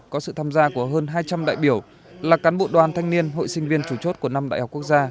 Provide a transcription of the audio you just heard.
có sự tham gia của hơn hai trăm linh đại biểu là cán bộ đoàn thanh niên hội sinh viên chủ chốt của năm đại học quốc gia